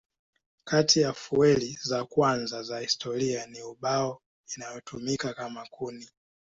Kati ya fueli za kwanza za historia ni ubao inayotumiwa kama kuni.